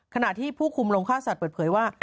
ขณะที่ผู้คุมโรงฆ่าสัตว์เปิดเผยว่า